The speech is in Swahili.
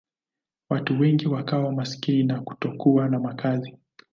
Watu wengi wakawa maskini na kutokuwa na makazi.